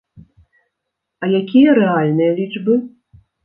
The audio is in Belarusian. А якія рэальныя лічбы?